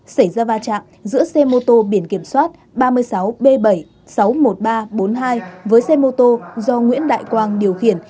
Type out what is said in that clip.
xảy ra va chạm giữa xe mô tô biển kiểm soát ba mươi sáu b bảy sáu mươi một nghìn ba trăm bốn mươi hai với xe mô tô do nguyễn đại quang điều khiển